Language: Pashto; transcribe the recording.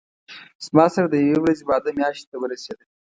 زما سره د یوې ورځې وعده میاشتې ته ورسېده.